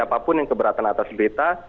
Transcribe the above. apapun yang keberatan atas berita